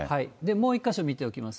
もう１か所見ておきます。